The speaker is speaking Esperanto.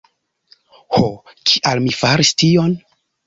Ho kial mi faris tion?